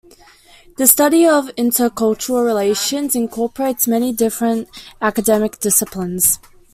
The study of intercultural relations incorporates many different academic disciplines.